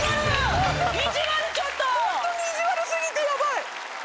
ホントに意地悪過ぎてヤバい。